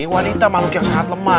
wanita makhluk yang sangat lemah